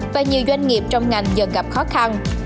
và nhiều doanh nghiệp trong ngành dần gặp khó khăn